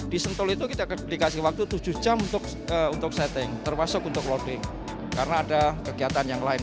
di sentul itu kita dikasih waktu tujuh jam untuk setting termasuk untuk loading karena ada kegiatan yang lain